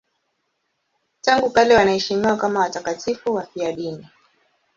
Tangu kale wanaheshimiwa kama watakatifu wafiadini.